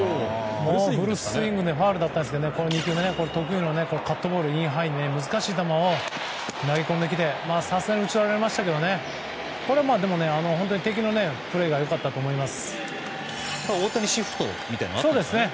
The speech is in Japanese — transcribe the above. フルスイングでファウルだったんですがカットボールで難しい球を投げ込んできてさすがに打ち取られましたけど敵のプレーが良かったと思います。